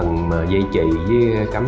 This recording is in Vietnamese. xin mời anh tám